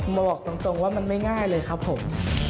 บอกตรงว่ามันไม่ง่ายเลยครับผม